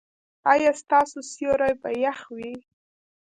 ایا ستاسو سیوري به يخ وي؟